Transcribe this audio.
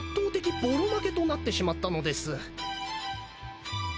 ボロ負けとなってしまったのです